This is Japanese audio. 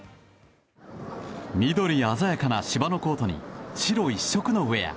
緑鮮やかな芝のコートに白一色のウェア。